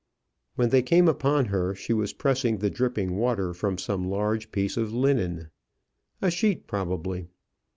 When they came upon her, she was pressing the dripping water from some large piece of linen, a sheet probably.